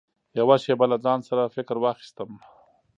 يوه شېبه له ځان سره فکر واخيستم .